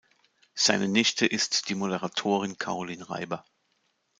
Seine Nichte ist die Moderatorin Carolin Reiber.